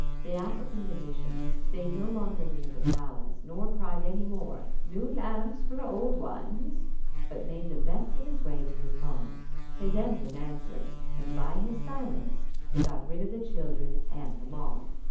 The African magician stayed no longer near the palace, nor cried any more, "New lamps for old ones," but made the best of his way to his khan. His end was answered, and by his silence he got rid of the children and the mob.